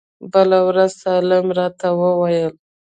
بله ورځ سالم راته وويل.